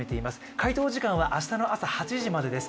回答時間は明日の朝８時までです。